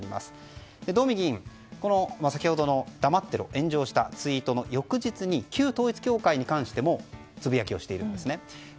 道見議員、先ほどの黙ってろ炎上したツイートの翌日に旧統一教会に関してもつぶやきをしているんですね。